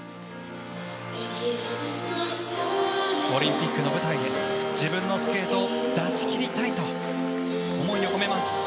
オリンピックの舞台で、自分のスケートを出し切りたいと、思いを込めます。